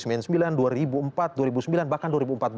dua ribu sembilan dua ribu empat dua ribu sembilan bahkan